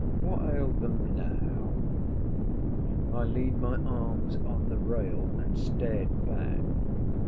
What ailed them now? I leaned my arms on the rail and stared back.